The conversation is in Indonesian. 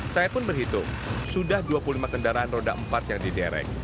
saya pun berhitung sudah dua puluh lima kendaraan roda empat yang diderek